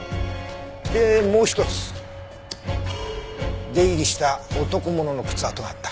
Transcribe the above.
でもう１つ出入りした男物の靴跡があった。